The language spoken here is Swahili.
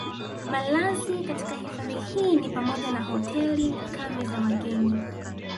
Malazi katika Hifadhi hii ni pamoja na Hotel kambi za wageni